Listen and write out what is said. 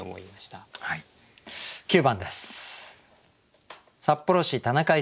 ９番です。